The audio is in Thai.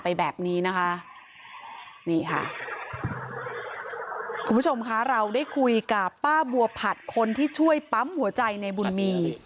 ป้าบัวผัดคนที่ช่วยปั๊มหัวใจในบุญมี